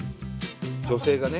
女性がね。